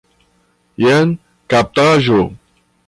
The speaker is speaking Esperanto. jen kaptaĵo!